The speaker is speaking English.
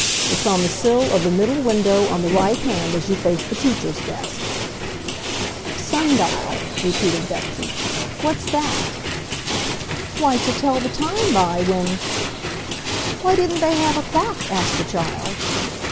It's on the sill of the middle window on the right hand as you face the teacher's desk." "Sun dial," repeated Betsy. "What's that?" "Why to tell the time by, when—" "Why didn't they have a clock?" asked the child.